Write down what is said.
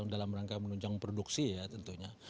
dalam rangka menunjang produksi ya tentunya